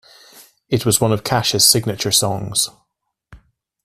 It was one of Cash's signature songs.